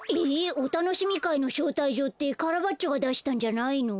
おたのしみかいのしょうたいじょうってカラバッチョがだしたんじゃないの？